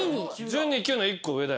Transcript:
準２級の１個上だよね。